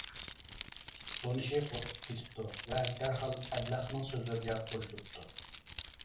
تونۇشى قورقۇپ كېتىپتۇ ۋە دەرھال ئەبلەخنىڭ سۆزلىرىگە قوشۇلۇپتۇ.